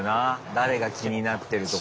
誰が気になってるとか。